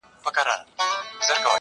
پر اوږو د وارثانو جنازه به دي زنګېږي٫